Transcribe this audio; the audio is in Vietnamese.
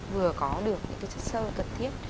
vừa có được những cái chất sơ cần thiết